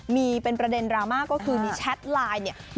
มีเป็นประเด็นการราบคือการราบไลน์